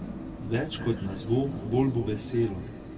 Več kot nas bo, bolj bo veselo.